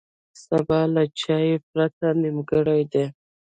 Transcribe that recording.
سبا له چای پرته نیمګړی دی.